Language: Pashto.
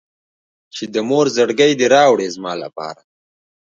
چې د مور زړګی دې راوړي زما لپاره.